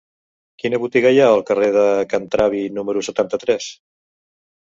Quina botiga hi ha al carrer de Can Travi número setanta-tres?